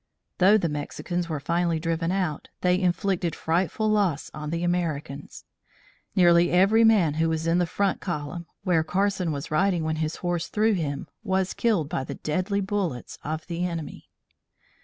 Though the Mexicans were finally driven out, they inflicted frightful loss on the Americans. Nearly every man who was in the front column, where Carson was riding when his horse threw him, was killed by the deadly bullets of the enemy.